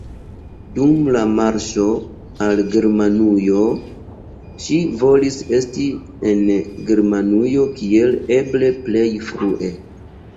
Dum la marŝo al Germanujo ŝi volis esti en Germanujo kiel eble plej frue.